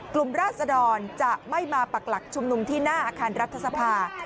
ราศดรจะไม่มาปักหลักชุมนุมที่หน้าอาคารรัฐสภา